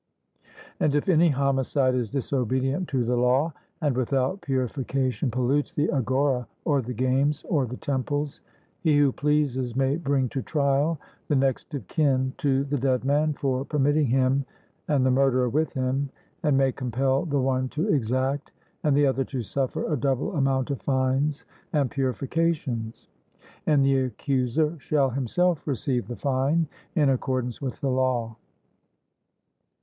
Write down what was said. And if any homicide is disobedient to the law, and without purification pollutes the agora, or the games, or the temples, he who pleases may bring to trial the next of kin to the dead man for permitting him, and the murderer with him, and may compel the one to exact and the other to suffer a double amount of fines and purifications; and the accuser shall himself receive the fine in accordance with the law.